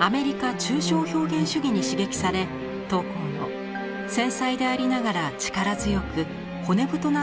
アメリカ抽象表現主義に刺激され桃紅の繊細でありながら力強く骨太な造形が確立されていきました。